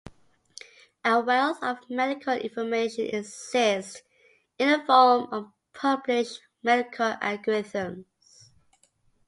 A wealth of medical information exists in the form of published medical algorithms.